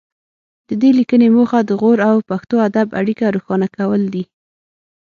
د دې لیکنې موخه د غور او پښتو ادب اړیکه روښانه کول دي